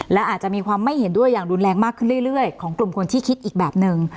และอาจจะมีความไม่เห็นด้วยอย่างรุนแรงมากขึ้นเรื่อยของกลุ่มคนที่คิดอีกแบบหนึ่ง